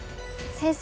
先生。